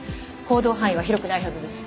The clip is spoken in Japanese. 行動範囲は広くないはずです。